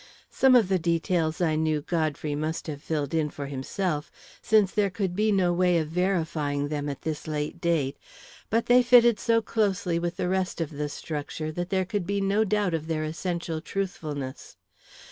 Some of the details, I knew, Godfrey must have filled in for himself, since there could be no way of verifying them at this late day; but they fitted so closely with the rest of the structure that there could be no doubt of their essential truthfulness.